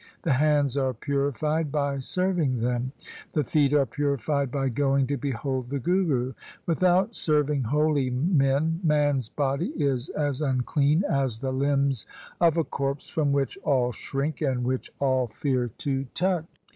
The hands are purified by serving them. The feet are purified by going to behold the Guru. Without serving holy men 1 man's body is as unclean as the limbs of a corpse from which all shrink and which all fear to touch.'